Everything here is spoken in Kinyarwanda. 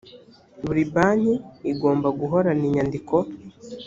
buri banki igomba guhorana inyandiko